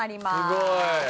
すごい！